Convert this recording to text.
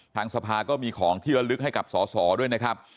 ทางสภาก็มีของที่ระลึกให้กับสอสอด้วยนะครับ